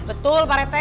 betul pak rete